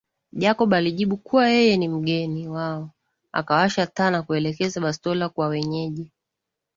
Jacob alijibu kuwa yeye ni mgeni wao akawasha taa na kuelekeza bastola kwa wenyeji